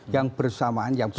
yang bersamaan yang berita